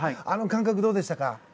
あの感覚、どうでしたか。